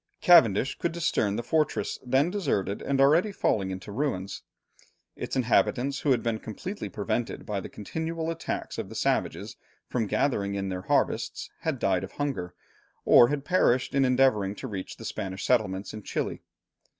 Cavendish could discern the fortress, then deserted and already falling into ruins. Its inhabitants, who had been completely prevented by the continual attacks of the savages from gathering in their harvests, had died of hunger, or had perished in endeavouring to reach the Spanish settlements in Chili.